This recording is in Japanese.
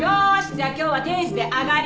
じゃあ今日は定時で上がり。